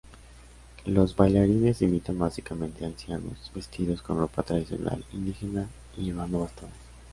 Los bailarines imitan básicamente ancianos, vestidos con ropa tradicional indígena y llevando bastones.